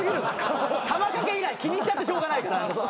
玉掛け以来気にしちゃってしょうがないから。